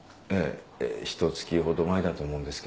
ひとつきほど前だと思うんですけど。